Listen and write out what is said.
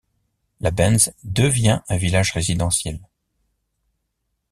Labenz devient un village résidentiel.